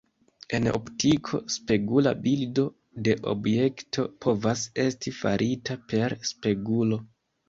En optiko, spegula bildo de objekto povas esti farita per spegulo.